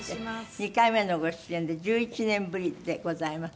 ２回目のご出演で１１年ぶりでございます。